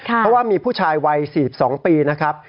เพราะว่ามีผู้ชายวัย๔๒ปีนะครับ